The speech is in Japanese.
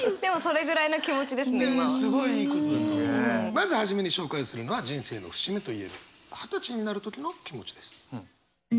まず初めに紹介するのは人生の節目といえる二十歳になるときの気持ちです。